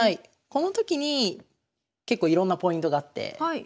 この時に結構いろんなポイントがあって。